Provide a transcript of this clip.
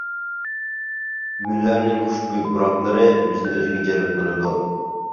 گۈللەرنىڭ خۇشبۇي پۇراقلىرى بىزنى ئۆزىگە جەلپ قىلىدۇ.